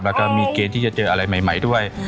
แล้วก็มีเกณฑ์ที่จะเจออะไรใหม่ด้วย